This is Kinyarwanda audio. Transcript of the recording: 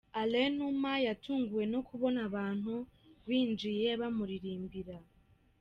Alain Numa yatunguwe no kubona abantu binjiye bamuririmbira.